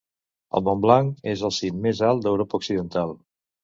El Montblanc el el cim mes alt d'Europa occidental.